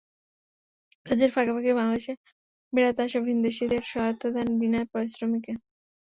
কাজের ফাঁকে ফাঁকেই বাংলাদেশে বেড়াতে আসা ভিনদেশিদের সহায়তা দেন বিনা পারিশ্রমিকে।